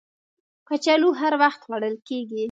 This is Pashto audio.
کچالو هر وخت خوړل کېږي